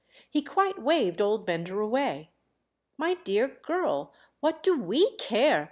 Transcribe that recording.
He quite waved old Bender away. "My dear girl, what do we care—?"